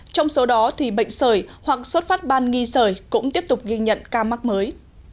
trong số đó thì bệnh sởi hoặc xuất phát ban nghi sởi cũng tiếp tục ghi nhận ca mắc mới